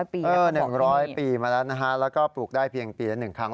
๑๐๐ปีแล้วค่ะของพี่นี่นะค่ะแล้วก็ปลูกได้เพียงปีนึงครั้ง